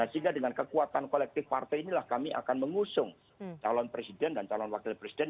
sehingga dengan kekuatan kolektif partai inilah kami akan mengusung calon presiden dan calon wakil presiden